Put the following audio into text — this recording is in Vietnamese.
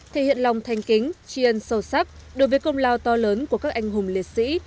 thể hiện lòng thanh kính tri ân sâu sắc đối với công lao to lớn của các anh hùng liệt sĩ